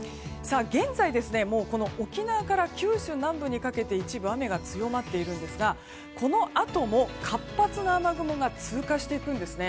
現在、沖縄から九州南部にかけて一部、雨が強まっていますがこのあとも活発な雨雲が通過していくんです。